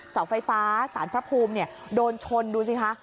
เสาไฟฟ้าสารพระภูมิโดนชนดูสิคะ